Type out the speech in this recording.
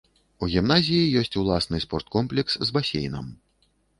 У гімназіі ёсць уласны спарткомплекс з басейнам.